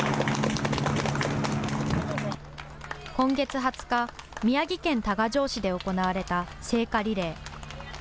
今月２０日、宮城県多賀城市で行われた聖火リレー。